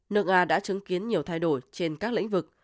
nước nga đã chứng kiến nhiều thay đổi trên các lĩnh vực